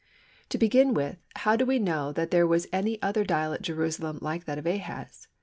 To begin with, how do we know that there was any other dial at Jerusalem like that of Ahaz?